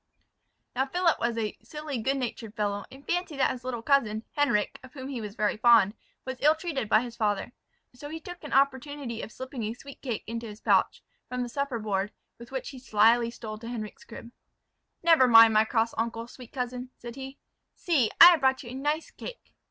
Now Philip was a silly, good natured fellow, and fancied that his little cousin, Henric, of whom he was very fond, was ill treated by his father. So he took an opportunity of slipping a sweet cake into his pouch, from the supper board, with which he slily stole to Henric's crib. "Never mind my cross uncle, sweet cousin," said he: "see, I have brought you a nice cake."